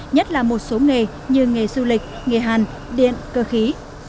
nhất là một số nghề như nghề du lịch nghề hàn điện cơ khí